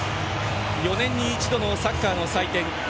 ４年に一度のサッカーの祭典ＦＩＦＡ